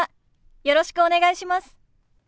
よろしくお願いします。